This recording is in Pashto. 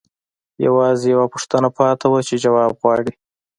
یوازې یوه پوښتنه پاتې وه چې ځواب غواړي